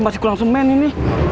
masih kurang semen ini